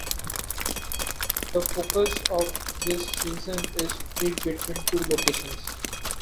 The focus of this season is split between two locations.